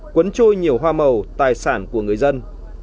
cuốn trôi nhiều hoa màu tài sản của người dân